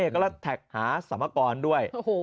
ก็แท็คหาสรรพากรด้วย